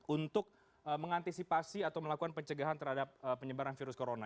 untuk mengantisipasi atau melakukan pencegahan terhadap penyebaran virus corona